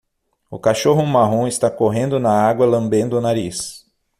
O cachorro marrom está correndo na água lambendo o nariz.